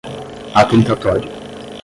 atentatório